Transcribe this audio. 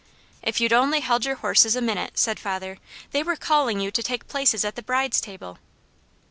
"If you'd only held your horses a minute," said father; "they were calling you to take places at the bride's table."